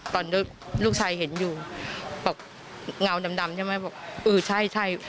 ตอนนั้นลูกชายเห็นอยู่บอกเงาดำใช่ไหมบอกอือใช่